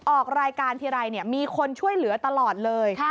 ออกรายการทีไรมีคนช่วยเหลือตลอดเลย